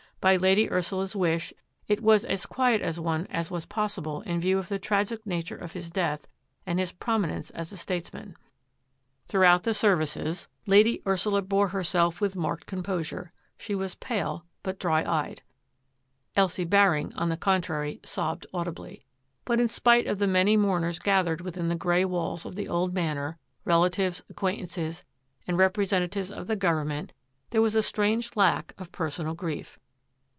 By Lady Ursula's wish, it was as quiet a one as was possible in view of the tragic nature of his death and his prominence as a states man. Throughout the services Lady Ursula bore 119 RETURN OF ROBERT SYLVESTER 118 herself with marked composure ; she was pale, but dry eyed. Elsie Baring, on the contrary, sobbed audibly. But in spite of the many mourners gathered within the grey walls of the old Manor, — relatives, acquaintances, and representatives of the govern ment, — there was a strange lack of personal grief.